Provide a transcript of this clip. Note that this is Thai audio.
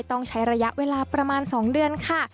ต้องใช้ระยะเวลาประมาณ๒เดือนค่ะ